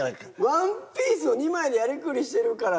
ワンピース２枚でやりくりしてるから。